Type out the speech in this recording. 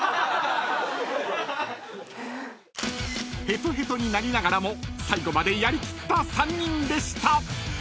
［ヘトヘトになりながらも最後までやり切った３人でした］